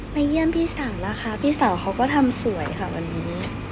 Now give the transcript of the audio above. เยี่ยมพี่สาวแล้วค่ะพี่สาวเขาก็ทำสวยค่ะวันนี้